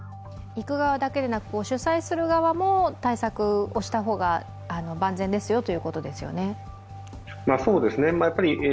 行く側だけではなく、主催する側も対策をした方が万全ですよということですね。